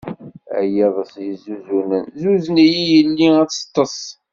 A yiḍes yezzuzunen, zuzen-iyi yelli ad teṭṭes.